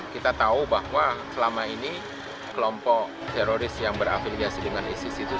kita tahu bahwa selama ini kelompok teroris yang berafiliasi dengan isis itu